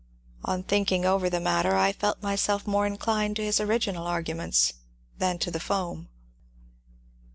On thinking over the matter, I felt myself more inclined to his original arguments than to tiie foam."